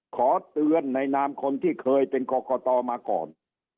ขอเตือนในนามคนที่เคยเป็นกรกตมาก่อน